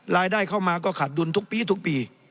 รายได้เข้ามาก็ขาดดุลทุกปีทุกปี